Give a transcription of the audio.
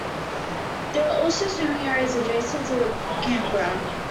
There are also swimming areas adjacent to the campground.